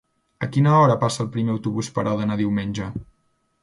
A quina hora passa el primer autobús per Òdena diumenge?